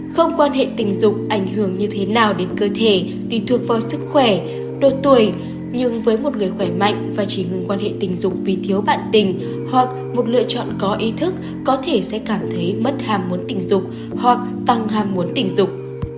không quan hệ tình dục ảnh hưởng như thế nào đến cơ thể tùy thuộc vào sức khỏe đột tuổi nhưng với một người khỏe mạnh và chỉ ngừng quan hệ tình dục vì thiếu bạn tình hoặc một lựa chọn có ý thức có thể sẽ cảm thấy mất hàm muốn tình dục hoặc tăng hàm muốn tình dục